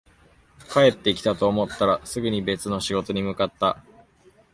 帰ってきたと思ったら、すぐに別の仕事に向かった